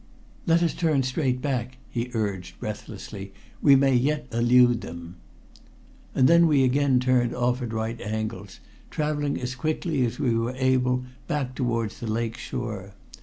"Let us turn straight back," he urged breathlessly. "We may yet elude them." And then we again turned off at right angles, traveling as quickly as we were able back towards the lake shore.